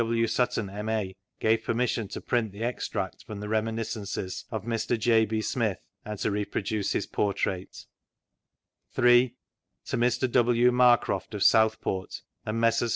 W. Sutton, M.A.) gave permission to print the Extract from the Re miniscences of Mr. J. B. Smith, and to reproduce his portrait; (3) to Mr. W. Marcroft erf South port, and Messrs.